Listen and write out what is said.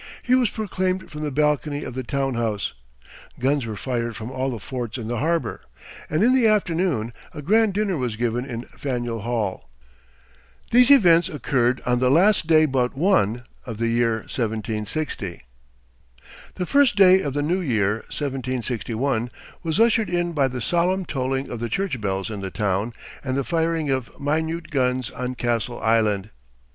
He was proclaimed from the balcony of the town house; guns were fired from all the forts in the harbor; and in the afternoon a grand dinner was given in Faneuil Hall. These events occurred on the last day but one of the year 1760. The first day of the new year, 1761, was ushered in by the solemn tolling of the church bells in the town, and the firing of minute guns on Castle Island.